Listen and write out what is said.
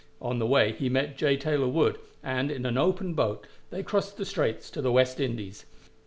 On the way he met J. Taylor Wood, and, in an open boat, they crossed the straits to the West Indies.